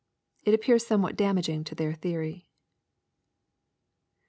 It appears somewhat damaging to their theory.